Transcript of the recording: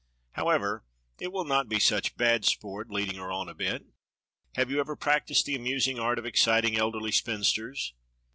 However, it will not be such bad sport leading her on a bit. Have you ever practised the amusing art of exciting elderly spinsters?